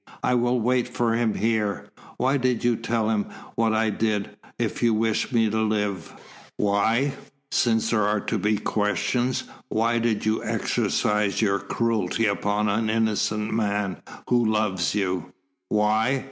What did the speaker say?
I will wait for him here. Why did you tell him what I did, if you wished me to live?" "Why since there are to be questions why did you exercise your cruelty upon an innocent man who loves you?" "Why?